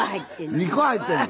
２個入ってんの？